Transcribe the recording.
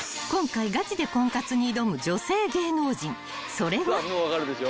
［それは］